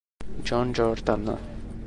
John Jordan